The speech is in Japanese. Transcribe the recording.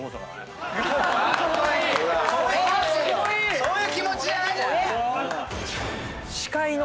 そういう気持ちじゃない⁉